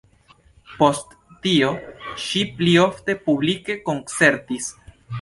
Post tio ŝi pli ofte publike koncertis.